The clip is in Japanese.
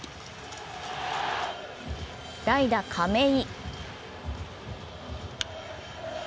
代打・亀井。